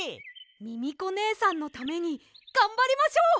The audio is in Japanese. ミミコねえさんのためにがんばりましょう！